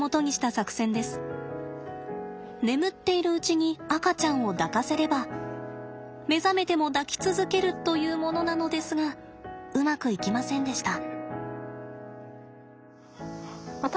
眠っているうちに赤ちゃんを抱かせれば目覚めても抱き続けるというものなのですがうまくいきませんでした。